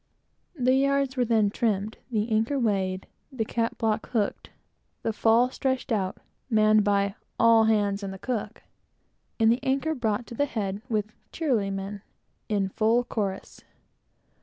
The yards were then trimmed, the anchor weighed, the cat block hooked on, the fall stretched out, manned by "all hands and the cook," and the anchor brought to the head with "cheerily men!" in full chorus.